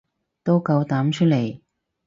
都夠膽出嚟